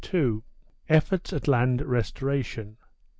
EFFORTS AT LAND RESTORATION.